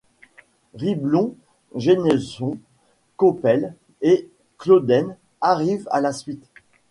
Riblon, Jeannesson, Coppel et Klöden arrivent à sa suite.